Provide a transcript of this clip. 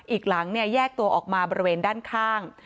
อีกหลังแยกตัวออกมาบริเวณด้านข้าง